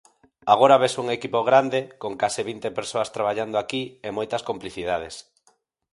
Agora ves un equipo grande, con case vinte persoas traballando aquí e moitas complicidades.